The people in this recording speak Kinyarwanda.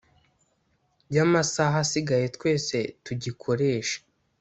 ya masaha asigaye twese tugikoreshe